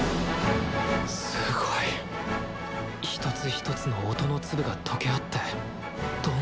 すごい！一つ一つの音の粒が溶け合ってどんどん膨らんでいく。